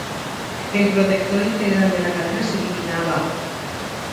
El protector integral de la cadena s'eliminava.